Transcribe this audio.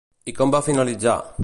I com va finalitzar?